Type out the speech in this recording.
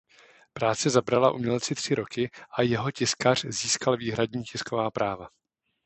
Práce zabrala umělci tři roky a jeho tiskař získal výhradní tisková práva.